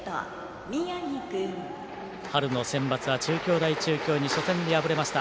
春のセンバツは中京大中京に初戦で敗れました。